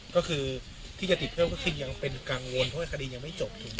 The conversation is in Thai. ก็คือที่จะติดเพิ่มก็คือยังเป็นกังวลเพราะว่าคดียังไม่จบถูกไหม